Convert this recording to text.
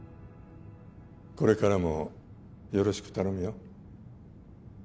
これからもよろしく頼むよ